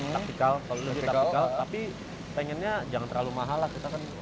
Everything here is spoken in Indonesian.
taktikal kalau lebih taktikal tapi pengennya jangan terlalu mahal lah kita kan